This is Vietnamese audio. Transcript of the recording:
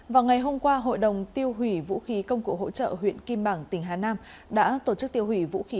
vào ngày hôm qua hội đồng tiêu hủy vũ khí công cụ hỗ trợ huyện kim bảng tỉnh hà nam đã tổ chức tiêu hủy vũ khí